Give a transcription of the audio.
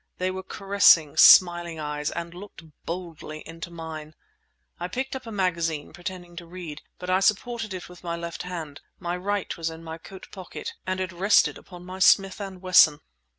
They were caressing, smiling eyes, and looked boldly into mine. I picked up a magazine, pretending to read. But I supported it with my left hand; my right was in my coat pocket—and it rested upon my Smith and Wesson!